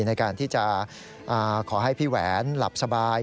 ในการที่จะขอให้พี่แหวนหลับสบาย